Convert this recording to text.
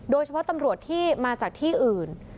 โดยเฉพาะตำรวจที่มาจากที่อื่น